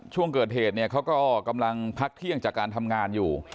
ช่วงเกิดเหตุเนี่ยเขาก็กำลังพักเที่ยงจากการทำงานอยู่